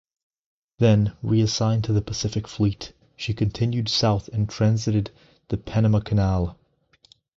Then, reassigned to the Pacific Fleet, she continued south and transited the Panama Canal.